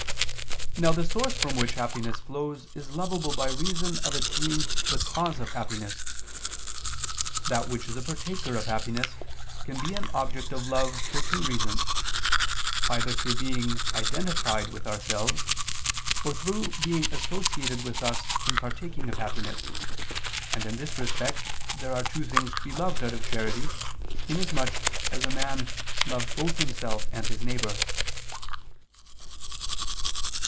Now the source from which happiness flows is lovable by reason of its being the cause of happiness: that which is a partaker of happiness, can be an object of love for two reasons, either through being identified with ourselves, or through being associated with us in partaking of happiness, and in this respect, there are two things to be loved out of charity, in as much as man loves both himself and his neighbor.